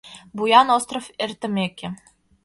Буян остров эртымеке